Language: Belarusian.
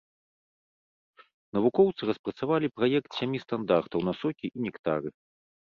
Навукоўцы распрацавалі праект сямі стандартаў на сокі і нектары.